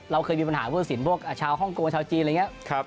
เราเคยมีปัญหาผู้ตัดสินพวกชาวฮ่องกงชาวจีนอะไรอย่างนี้